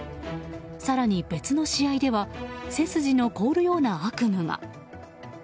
更に別の試合では背筋の凍るような悪夢が。